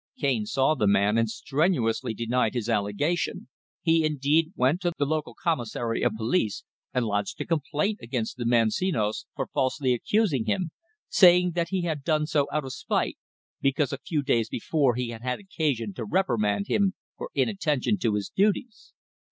"Cane saw the man and strenuously denied his allegation. He, indeed, went to the local Commissary of Police and lodged a complaint against the man Senos for falsely accusing him, saying that he had done so out of spite, because a few days before he had had occasion to reprimand him for inattention to his duties.